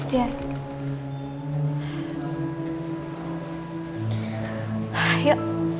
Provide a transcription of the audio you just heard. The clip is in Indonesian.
sampai jumpa di video selanjutnya